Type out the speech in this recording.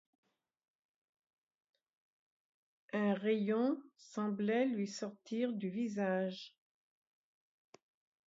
Un rayon semblait lui sortir du visage.